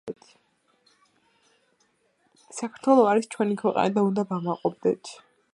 საქართველო არის ჩვენი ქვეყანა და უნდა ვამაყობდეთ